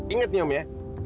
ingat nih om ya